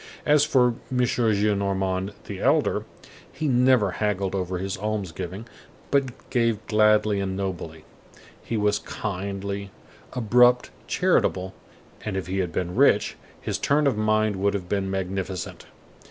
As for M. Gillenormand the elder, he never haggled over his alms giving, but gave gladly and nobly. He was kindly, abrupt, charitable, and if he had been rich, his turn of mind would have been magnificent.